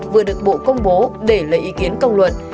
vừa được bộ công bố để lấy ý kiến công luận